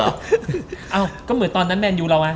โอ้ก็เหมือนตอนนั้นแมนอื้อหรอวะ